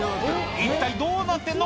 一体どうなってんの？